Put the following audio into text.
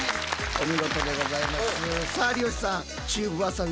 お見事でございます。